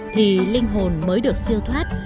thì linh hồn mới được siêu thoát